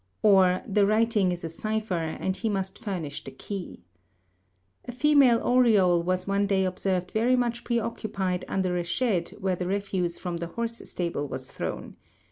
Or, the writing is a cipher and he must furnish the key. A female oriole was one day observed very much preoccupied under a shed where the refuse from the horse stable was thrown.